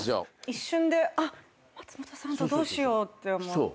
一瞬であっ松本さんだどうしようって思って。